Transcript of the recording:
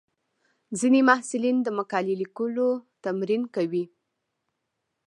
ځینې محصلین د مقالې لیکلو تمرین کوي.